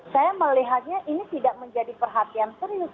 saya melihatnya ini tidak menjadi perhatian serius